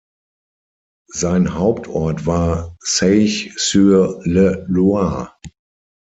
Sein Hauptort war Seiches-sur-le-Loir.